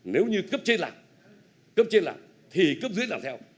nếu như cấp trên là cấp trên là thì cấp dưới là theo